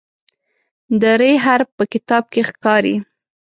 د "ر" حرف په کتاب کې ښکاري.